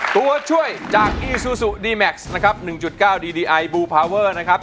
ตัวช่วยจากอีซูซูดีแม็กซ์นะครับหนึ่งจุดเก้าดีดีไอบูพาวเวอร์นะครับ